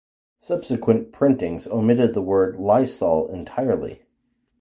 Subsequent printings omitted the word Lysol entirely.